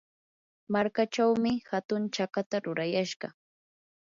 markachawmi hatun chakata rurayashqa.